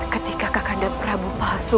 ketika kakanda prabupasno